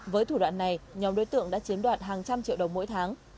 với thủ đoạn này nhóm đối tượng đã chiếm đoạt hàng trăm triệu đồng mỗi tháng